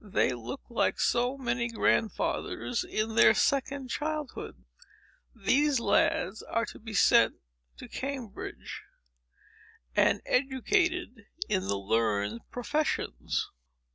They look like so many grandfathers in their second childhood. These lads are to be sent to Cambridge, and educated for the learned professions.